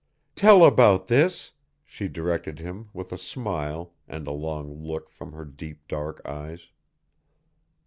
"Tell about this," she directed him with a smile and a long look from her deep dark eyes.